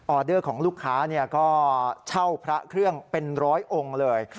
เดอร์ของลูกค้าก็เช่าพระเครื่องเป็นร้อยองค์เลย